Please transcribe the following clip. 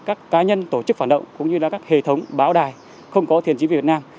các cá nhân tổ chức phản động cũng như các hệ thống báo đài không có thiền chính việt nam